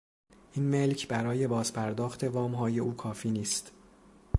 این ملک برای بازپرداخت وامهای او کافی نیست.